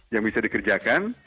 yang bisa dikerjakan